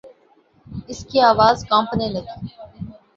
اس کی آواز کانپنے لگی۔